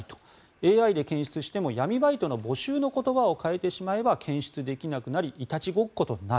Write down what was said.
ＡＩで検出しても闇バイトの募集の言葉を変えてしまえば検出できなくなりいたちごっことなる。